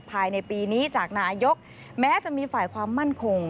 ภายในปีนี้จากนายกแม้จะมีฝ่ายความมั่นคง